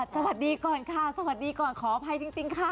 สวัสดีก่อนค่ะขออภัยจริงค่ะ